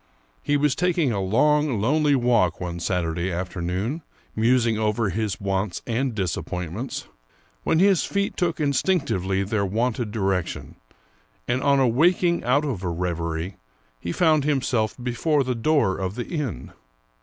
He was taking a long, lonely walk one Saturday afternoon, musing over his wants and disappointments, when his feet took instinctively their wonted direction, and on awaking out of a reverie, he found himself before the door of the inn.